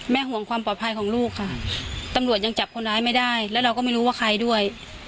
ห่วงความปลอดภัยของลูกค่ะตำรวจยังจับคนร้ายไม่ได้แล้วเราก็ไม่รู้ว่าใครด้วย